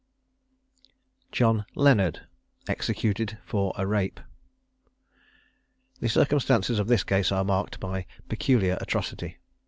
JOHN LEONARD. EXECUTED FOR A RAPE. The circumstances of this case are marked by peculiar atrocity.